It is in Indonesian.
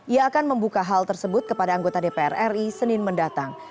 ia akan membuka hal tersebut kepada anggota dpr ri senin mendatang